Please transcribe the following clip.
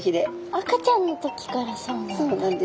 赤ちゃんの時からそうなんだ。